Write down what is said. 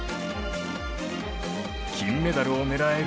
金メダルを狙える